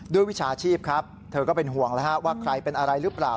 ด้วยวิชาชีพเธอก็เป็นห่วงว่าใครเป็นอะไรหรือเปล่า